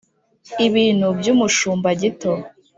ibintu by umushumba gito